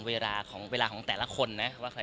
ว่าใครจะด้วย